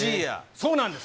そうなんです。